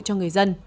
cho người dân